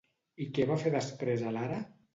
I què va fer després a l'Ara?